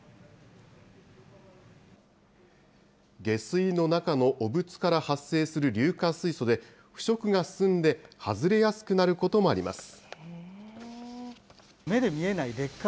下水の中の汚物から発生する硫化水素で腐食が進んで外れやすくなることもあります。